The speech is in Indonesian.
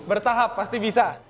bertahap pasti bisa